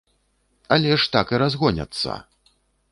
Але ж так і разгоняцца!